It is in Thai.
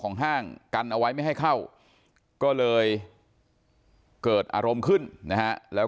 ห้างกันเอาไว้ไม่ให้เข้าก็เลยเกิดอารมณ์ขึ้นนะฮะแล้ว